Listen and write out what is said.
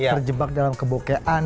terjebak dalam kebokehan